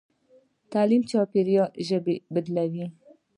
تعلیم چاپېریال ژبه بدلوي.